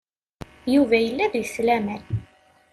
Yuba yella deg-s laman.